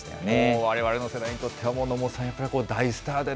われわれの世代にとってはもう野茂さん、大スターでね。